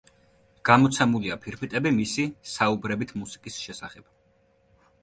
გამოცემულია ფირფიტები მისი „საუბრებით მუსიკის შესახებ“.